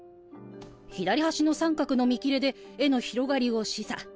左端の三角の見切れで絵の広がりを示唆。